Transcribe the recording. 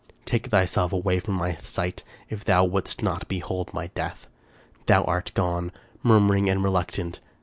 Take thyself away from my sight if thou wouldst not behold my death! Thou art gone! murmuring and reluctant!